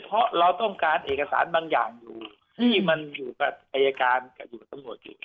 เพราะเราต้องการเอกสารบางอย่างอยู่ที่มันอยู่กับอายการกับอยู่กับตำรวจอยู่